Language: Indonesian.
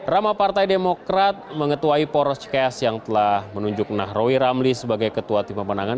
rama partai demokrat mengetuai poros cikeas yang telah menunjuk nahrawi ramli sebagai ketua tim pemenangan